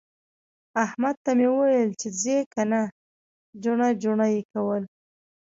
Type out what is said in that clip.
احمد ته مې وويل چې ځې که نه؟ جڼه جڼه يې کول.